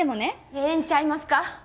ええんちゃいますか？